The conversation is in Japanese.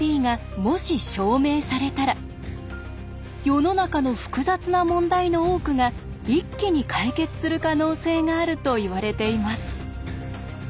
世の中の複雑な問題の多くが一気に解決する可能性があるといわれています。